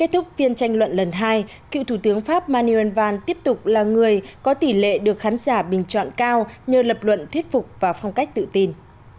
trước phiên tranh luận lần hai cựu thủ tướng pháp manuel valls tiếp tục là người có tỷ lệ được khán giả bình chọn cao nhờ lập luận thuyết phục và phong cách tự tin